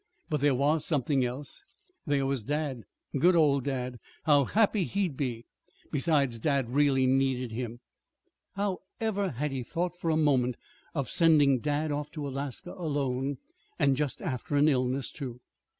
But there was something else. There was dad. Good old dad! How happy he'd be! Besides, dad really needed him. How ever had he thought for a moment of sending dad off to Alaska alone, and just after an illness, too!